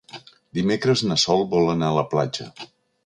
Dimecres na Sol vol anar a la platja.